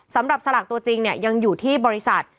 สำหรับสลากตัวจริงเนี่ยยังอยู่ที่บริษัท